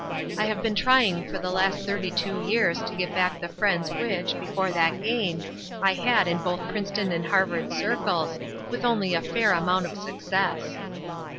I have been trying for the last thirty two years to get back the friends which, before that game, I had in both Princeton and Harvard circles, with only a fair amount of success."